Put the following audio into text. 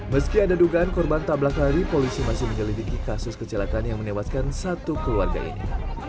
meski ada dugaan korban tablak hari polisi masih menyelidiki kasus kecelakaan yang menewaskan satu keluarga ini